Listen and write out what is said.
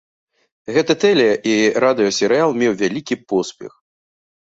Гэты тэле- і радыёсерыял меў вялікі поспех.